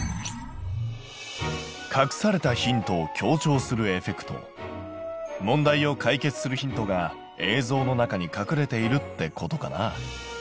隠されたヒントを強調するエフェクト問題を解決するヒントが映像の中に隠れているってことかな。